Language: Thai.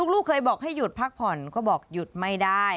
ลูกเคยบอกให้หยุดพักผ่อนก็บอกหยุดไม่ได้